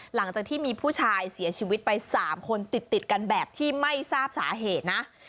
หลังจากที่มีผู้ชายเสียชีวิตไป๓คนติดกันแบบที่ไม่ทราบสาเหตุนะ